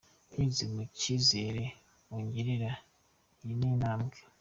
Binyuze mu cyizere mungirira iyi ni intambwe.